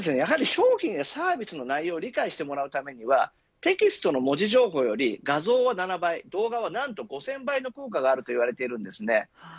商品やサービスの内容を理解してもらうためにはテキストの文字情報より画像は７倍、動画は何と５０００倍の効果があると言われているんです。